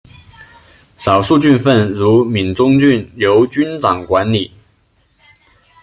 少数郡份如闽中郡由君长管理。